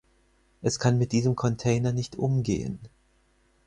Es kann mit diesem Container nicht umgehen.